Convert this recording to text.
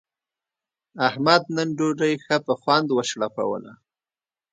احمد نن ډوډۍ ښه په خوند و شړپوله.